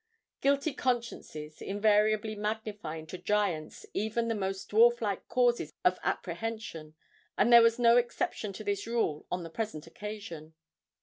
Guilty consciences invariably magnify into giants even the most dwarf like causes of apprehension; and there was no exception to this rule on the present occasion.